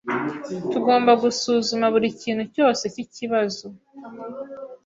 Tugomba gusuzuma buri kintu cyose cyikibazo.